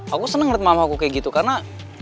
aku seneng liat mama aku kayak gitu karena